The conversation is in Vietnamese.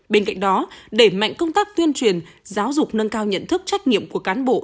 bên cạnh đó đẩy mạnh công tác tuyên truyền giáo dục nâng cao nhận thức trách nhiệm của cán bộ